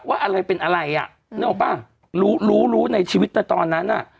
อะไรเป็นอะไรอ่ะนึกออกป่ะรู้รู้ในชีวิตแต่ตอนนั้นอ่ะ